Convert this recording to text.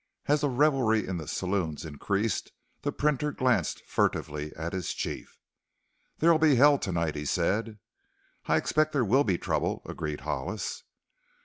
As the revelry in the saloons increased the printer glanced furtively at his chief. "There'll be hell to night!" he said. "I expect there will be trouble," agreed Hollis.